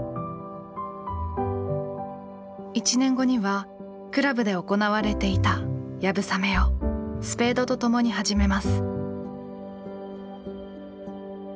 １年後には倶楽部で行われていた流鏑馬をスペードと共に始めます。